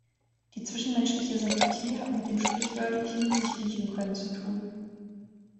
Die zwischenmenschliche Sympathie hat mit dem sprichwörtlichen „sich riechen können“ zu tun.